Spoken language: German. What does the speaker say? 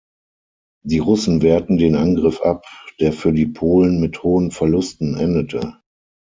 Die Russen wehrten den Angriff ab, der für die Polen mit hohen Verlusten endete.